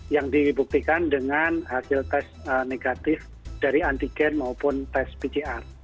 yang dibuktikan dengan hasil tes negatif dari antigen maupun tes pcr